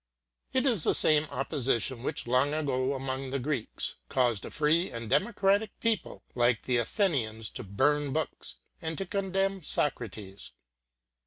It is the same opposition which long ago among the Greeks caused a free and democratic people like the Athenians to burn books and to condemn Socrates.